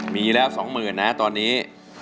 มีแล้วสองหมื่นนะตอนนี้